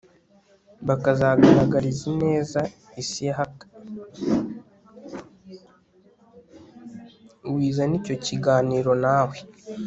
wizana icyo kiganiro nawe